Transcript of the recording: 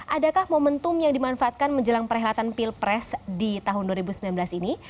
adakah momentum yang dimanfaatkan menjelang perhelatan pilpres di tahun dua ribu sembilan belas ini